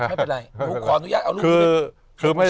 ไม่เป็นไรหนูขออนุญาตเอารูปนี้